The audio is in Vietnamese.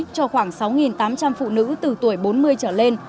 cho khoảng sáu tám trăm linh phụ nữ từ tuổi bốn mươi trở lên